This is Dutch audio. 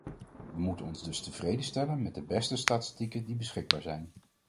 We moeten ons dus tevreden stellen met de beste statistieken die beschikbaar zijn.